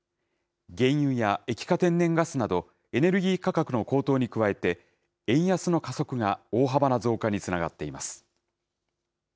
原油や液化天然ガスなど、エネルギー価格の高騰に加えて、円安の加速が大幅な増加につながっています。